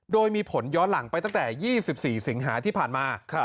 โดยมีผลย้อนหลังไปตั้งแต่๒๔สิงหาที่ผ่านมา